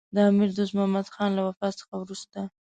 د امیر دوست محمدخان له وفات څخه وروسته.